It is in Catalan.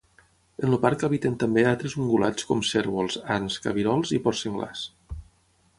En el parc habiten també altres ungulats com cérvols, ants, cabirols, i porcs senglars.